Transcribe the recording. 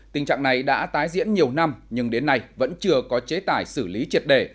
tình trạng này đã tái diễn nhiều năm nhưng đến nay vẫn chưa có chế tải xử lý triệt đề